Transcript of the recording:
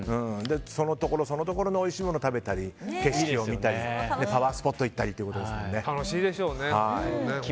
そのところ、そのところのおいしいものを食べたり景色を見たりパワースポット行ったりとか。